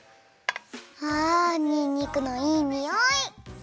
あにんにくのいいにおい！